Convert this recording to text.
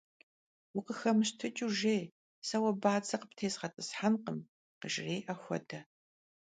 «Vukhıxemıştıç'ıu jjêy, se vue badze khıptêzğet'ıshenkhım», - khıjjri'e xuede.